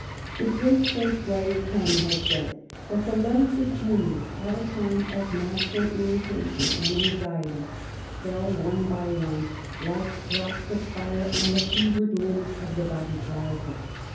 The great French writer Taine has said that the letters of Junius, at a time of national irritation and anxiety, fell one by one like drops of fire on the fevered limbs of the body politic.